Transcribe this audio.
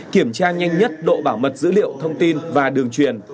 kiểm tra nhanh nhất độ bảo mật dữ liệu thông tin và đường truyền